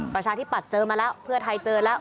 ประชาธิปัตย์เจอมาแล้วเพื่อไทยเจอแล้ว